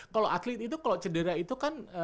kalau atlet itu kalau cedera itu kan